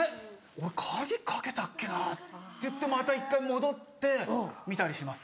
俺鍵かけたっけな？っていってまた一回戻って見たりします。